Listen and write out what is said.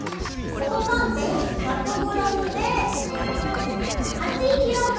細寒天１００ｇで８ｋｃａｌ。